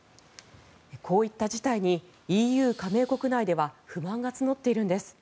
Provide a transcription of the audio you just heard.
こういった事態にＥＵ加盟国内では不満が募っているんです。